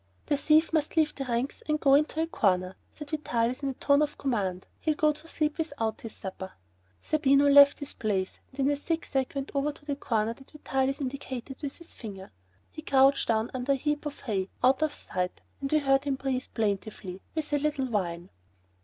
"The thief must leave the ranks and go into a corner," said Vitalis in a tone of command; "he'll go to sleep without his supper." Zerbino left his place, and in a zigzag went over to the corner that Vitalis indicated with his finger. He crouched down under a heap of hay out of sight, but we heard him breathe plaintively, with a little whine.